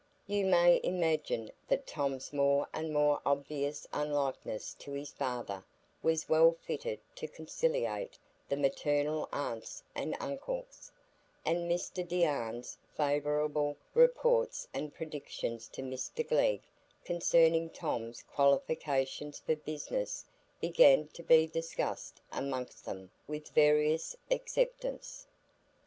You may imagine that Tom's more and more obvious unlikeness to his father was well fitted to conciliate the maternal aunts and uncles; and Mr Deane's favourable reports and predictions to Mr Glegg concerning Tom's qualifications for business began to be discussed amongst them with various acceptance.